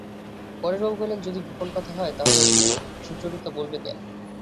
পরেশবাবু কহিলেন, যদি গোপন কথা হয় তা হলে সুচরিতা বলবে কেন?